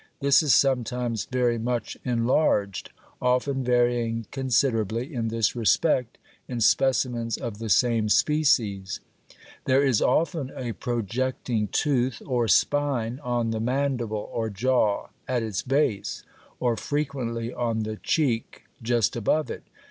This is sometimes very much enlarged often varying considerably in this respect in specimens of the same species; there is often a projecting tooth or spine on the mandible or jaw at its base, or frequently on the cheek just above it.